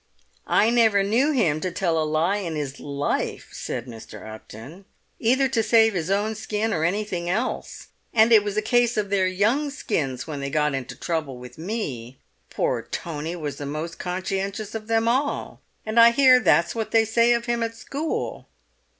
"I never knew him tell a lie in his life," said Mr. Upton, "either to save his own skin or any thing else; and it was a case of their young skins when they got into trouble with me! Poor Tony was the most conscientious of them all, and I hear that's what they say of him at school."